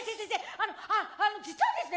あのああの実はですね